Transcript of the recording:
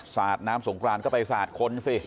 สาดน้ำสงครานก็ไปสาดคนสิ